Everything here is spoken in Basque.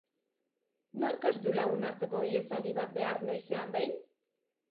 Nork ez du lagunarteko ihesaldi bat behar noizean behin?